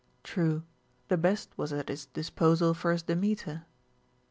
True, the best was at his disposal for his Demeter."